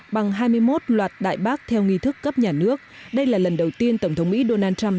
bằng hai mươi một loạt đại bác theo nghi thức cấp nhà nước đây là lần đầu tiên tổng thống mỹ donald trump